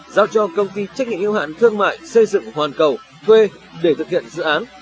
giao cho công ty trách nhiệm yêu hạn thương mại xây dựng hoàn cầu thuê để thực hiện dự án